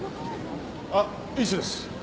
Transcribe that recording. あっ医師です。